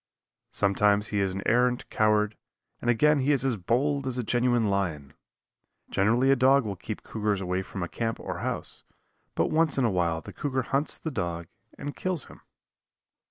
Sometimes he is an arrant coward, and again he is as bold as a genuine lion. Generally a dog will keep cougars away from a camp or house, but once in a while the cougar hunts the dog and kills him.